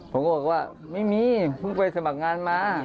ผมก็บอกว่าไม่มีเพิ่งไปสมัครงานมา